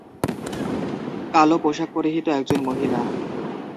কালো পোশাক পরিহিত একজন মহিলা